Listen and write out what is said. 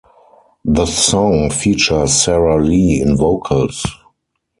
The song features Sara Li in vocals.